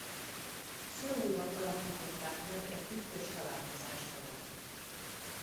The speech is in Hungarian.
Szöulban alakították meg egy titkos találkozás során.